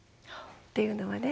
っていうのはね